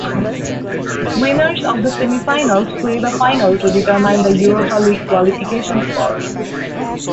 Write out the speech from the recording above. Winners of the semifinals play the final to determine the Europa League qualification spot.